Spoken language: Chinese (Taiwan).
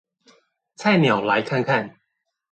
菜鳥來看看